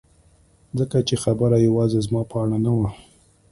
ځکه چې خبره یوازې زما په اړه نه وه